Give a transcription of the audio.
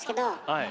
はい。